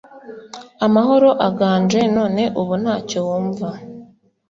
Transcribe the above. amahoro aganje* none ubu ntacyo wumva!